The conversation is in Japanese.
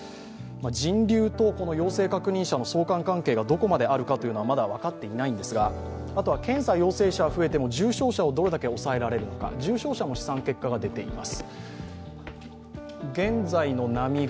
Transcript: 人流と陽性確認者の相関関係がどこまであるかはまだ分かっていないんですが、あとは検査陽性者が増えても重症者をどれだけ抑えられるのか、試算結果が出ています。